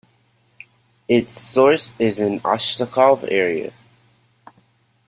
Its source is in Ostashkov area.